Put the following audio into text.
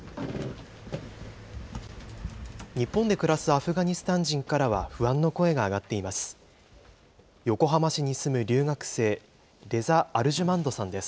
日本で暮らすアフガニスタン人からは、不安の声が上がっています。